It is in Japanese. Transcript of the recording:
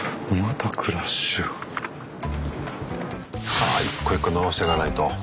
はぁ一個一個直してかないと。